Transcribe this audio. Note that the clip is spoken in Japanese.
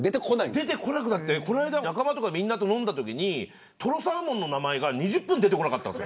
出てこなくなって、この前も仲間と飲んだときにとろサーモンの名前が２０分出てこなかったんです。